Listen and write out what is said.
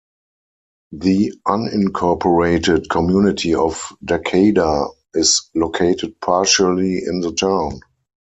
The unincorporated community of Dacada is located partially in the town.